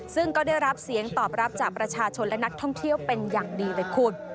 ซึ่งก็ได้รับเสียงตอบรับจากประชาชนและนักท่องเที่ยวเป็นอย่างดีเลยคุณ